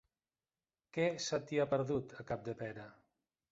Què se t'hi ha perdut, a Capdepera?